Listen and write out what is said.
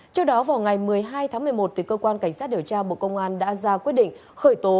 trước đó vào ngày một mươi hai tháng một mươi một cơ quan cảnh sát điều tra bộ công an đã ra quyết định khởi tố